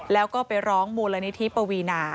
แล้วก็ไปร้องมูลนิธิปวีนา